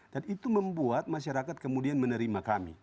dan itu membuat masyarakat kemudian menerima kami